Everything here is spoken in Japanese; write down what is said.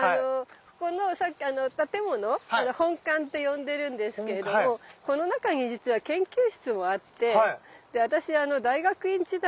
ここの建物本館って呼んでるんですけれどもこの中にじつは研究室もあって私大学院時代